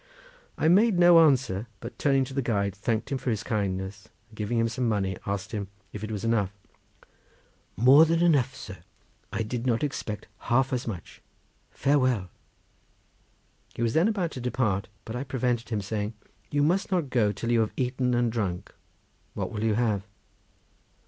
I made no answer, but turning to the guide, thanked him for his kindness, and giving him some money, asked him if that was enough. "More than enough, sir," said the lad; "I did not expect half as much. Farewell!" He was then about to depart, but I prevented him, saying: "You must not go till you have eaten and drunk. What will you have?"